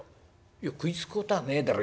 「いや食いつくこたあねえだろ。